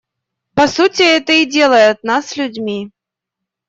По сути, это и делает нас людьми.